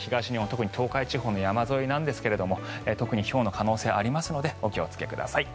特に東海地方の山沿いなんですが特にひょうの可能性がありますのでお気をつけください。